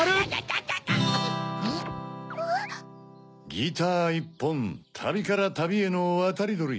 ギターいっぽんたびからたびへのわたりどり。